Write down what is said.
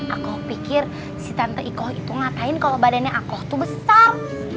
aku pikir si tante ikoh itu ngatain kalau badannya aku tuh besar